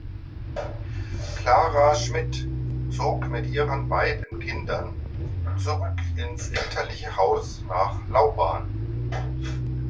Clara Schmidt zog mit ihren beiden Kindern zurück ins elterliche Haus nach Lauban.